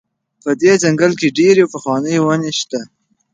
په دې ځنګل کې ډېرې پخوانۍ ونې شته.